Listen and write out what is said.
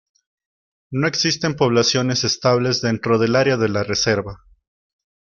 No existen poblaciones estables dentro del área de la reserva.